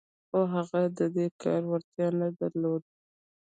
خو هغه د دې کار وړتیا نه درلوده